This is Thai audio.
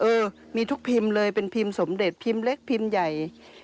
เออมีทุกพิมพ์เลยเป็นพิมพ์สมเด็จพิมพ์เล็กพิมพ์ใหญ่